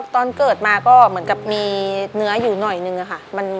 ตอนเกิดมาก็เหมือนกับมีเนื้ออยู่หน่อยนึงอะค่ะ